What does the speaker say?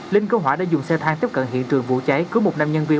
linh cứu hỏa đã dùng xe thang tiếp cận hiện trường vụ cháy cứu một nam nhân viên